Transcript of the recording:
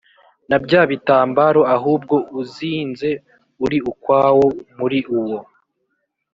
na bya bitambaro ahubwo uzinze uri ukwawo muri uwo